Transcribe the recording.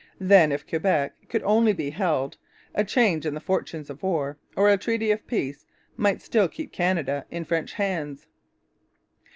Then, if Quebec could only be held, a change in the fortunes of war, or a treaty of peace, might still keep Canada in French hands.